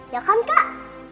ya kan kak